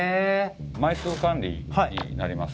枚数管理になります